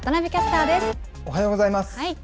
おはようございます。